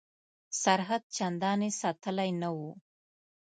سرحد چنداني ساتلی نه وو.